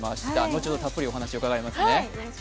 後ほどたっぷりお話、伺いますね。